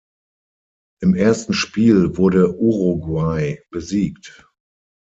Im ersten Spiel wurde Uruguay besiegt.